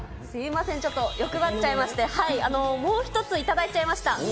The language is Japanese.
すみません、ちょっと欲張っちゃいまして、もう一つ頂いちゃいました。